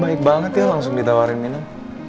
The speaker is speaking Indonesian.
baik banget ya langsung ditawarin mina